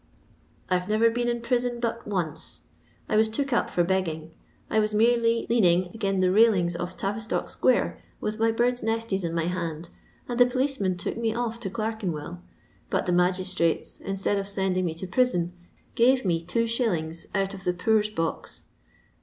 '' I 've never been in prison but once. I waa took up for begging. I was merely leaning again the railings of Tavistock square with my Urds' nesties in my hand, and the policemen took me off to Olerkenwell, but the magistrates, instead of send* ing me to prison, gave me 2x. out of the poor/* box.